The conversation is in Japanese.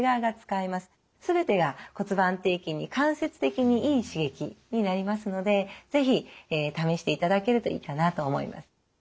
全てが骨盤底筋に間接的にいい刺激になりますので是非試していただけるといいかなと思います。